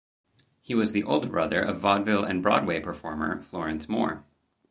He was the older brother of vaudeville and Broadway performer Florence Moore.